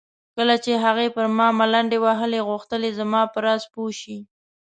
کله چې هغې پر ما ملنډې وهلې غوښتل یې زما په راز پوه شي.